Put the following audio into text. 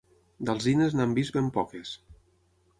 D'alzines n'hem vist ben poques.